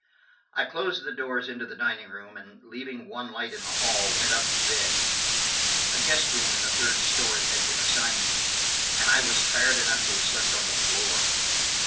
I closed the doors into the dining room and, leaving one light in the hall, went up to bed. A guest room in the third story had been assigned me, and I was tired enough to have slept on the floor.